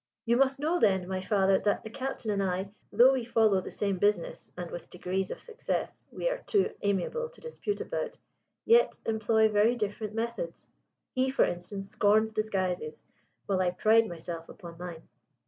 "You must know, then, my father, that the Captain and I, though we follow the same business and with degrees of success we are too amiable to dispute about, yet employ very different methods. He, for instance, scorns disguises, while I pride myself upon mine.